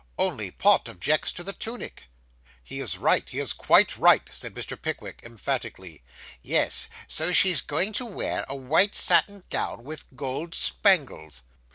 'Only Pott objects to the tunic.' 'He is right. He is quite right,' said Mr. Pickwick emphatically. 'Yes; so she's going to wear a white satin gown with gold spangles.